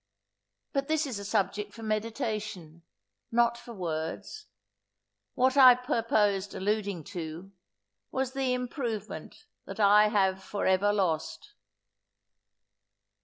But this is a subject for meditation, not for words. What I purposed alluding to, was the improvement that I have for ever lost.